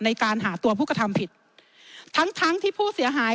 ในการหาตัวผู้กระทำผิดทั้งทั้งที่ผู้เสียหาย